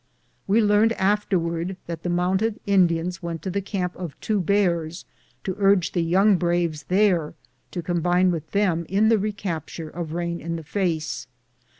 We learned afterwards that the mounted Indians went to the camp of Two Bears to urge the young braves there to combine with them in the recapture of Hain in the face.